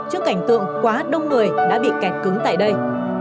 trước cảnh tượng quá đông người đã bị kẹt cứng tại đây